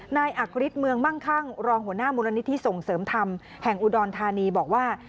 นายอักฤทธิเมืองมั่งคั่งรองหัวหน้ามูลนิธิส่งเสริมธรรมแห่งอุดรธานีบอกว่า